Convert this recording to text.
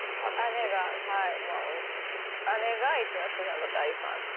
姉がはいもう姉が一之輔さんの大ファンで。